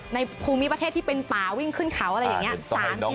ในภูมิประเทศที่เป็นป่าวิ่งขึ้นเขาอะไรอย่างนี้